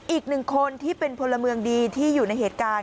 อีกหนึ่งคนที่เป็นพลเมืองดีที่อยู่ในเหตุการณ์